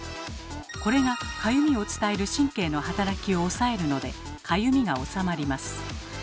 これがかゆみを伝える神経の働きを抑えるのでかゆみがおさまります。